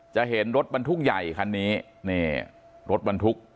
จะเห็นรถบรรทุกใหญ่คันนี้นี่รถบรรทุก